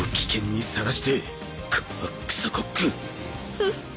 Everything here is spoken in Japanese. フッ